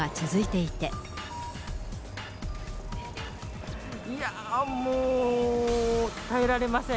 いや、もう、耐えられません。